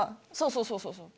そうそうそうそう！